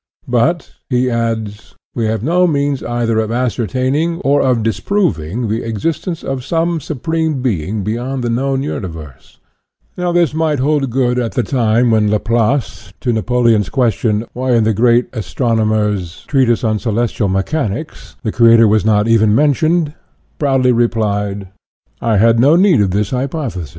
But, he adds, we have no means either of ascertaining INTRODUCTION IQ or of disproving the existence of some Supreme Being beyond the known universe. Now, this might hold good at the time when Laplace, to Napoleon's question, why in the great astron omer's Mecanique celeste the Creator was not even mentioned, proudly replied: Je n'avais pas besoin de cette hypothese.